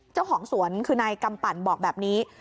เจ้าของสวนคือนายกำปั่นบอกแบบนี้